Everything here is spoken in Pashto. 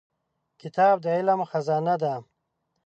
کتاب د علم خزانه ده.